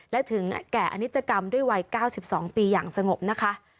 และถึงแก่อนิจกรรมด้วยวัย๙๒ปีอย่างสงบนะคะ